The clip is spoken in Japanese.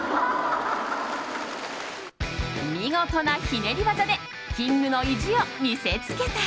見事なひねり技でキングの意地を見せつけた。